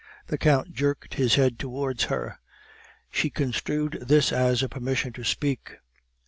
The Count jerked his head towards her; she construed this as a permission to speak.